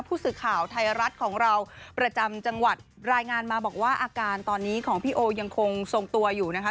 ผู้สื่อข่าวไทยรัฐของเราประจำจังหวัดรายงานมาบอกว่าอาการตอนนี้ของพี่โอยังคงทรงตัวอยู่นะคะ